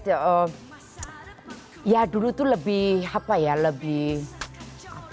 ya dulu tuh lebih apa ya lebih